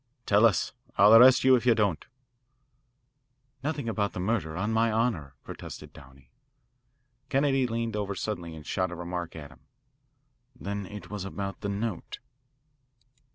"Tell us. I'll arrest you if you don't." "Nothing about the murder, on my honour," protested Downey. Kennedy leaned over suddenly and shot a remark at him, "Then it was about the note."